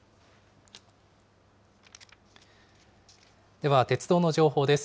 では鉄道の情報です。